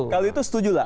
kalau itu setuju lah